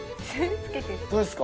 どうですか？